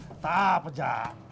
ah tak apa jak